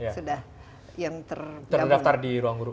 sudah yang terdaftar di ruang guru